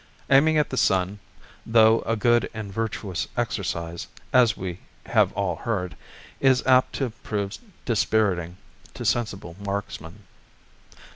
Aiming at the sun, though a good and virtuous exercise, as we have all heard, is apt to prove dispiriting to sensible marksmen.